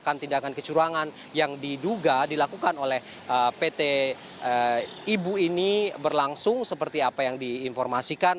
tindakan tindakan kecurangan yang diduga dilakukan oleh pt ibu ini berlangsung seperti apa yang diinformasikan